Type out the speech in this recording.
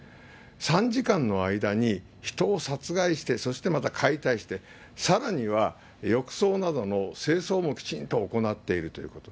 ３時間の間に人を殺害して、そしてまた解体して、さらには浴槽などの清掃もきちんと行っているということ。